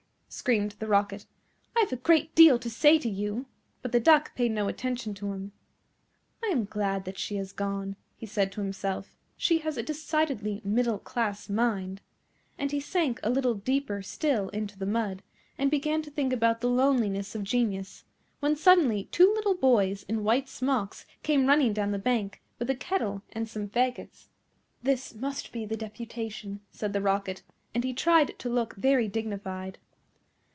screamed the Rocket, "I have a great deal to say to you;" but the Duck paid no attention to him. "I am glad that she has gone," he said to himself, "she has a decidedly middle class mind;" and he sank a little deeper still into the mud, and began to think about the loneliness of genius, when suddenly two little boys in white smocks came running down the bank, with a kettle and some faggots. "This must be the deputation," said the Rocket, and he tried to look very dignified.